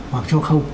hoặc cho không